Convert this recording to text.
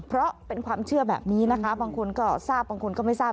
เพราะเป็นความเชื่อแบบนี้นะคะบางคนก็ทราบบางคนก็ไม่ทราบ